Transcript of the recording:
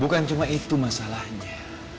bukan cuma itu masalahnya